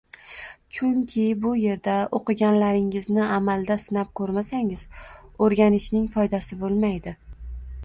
Chunki bu yerda o’qiganlaringizni amalda sinab ko’rmasangiz o’rganishning foydasi bo’lmaydi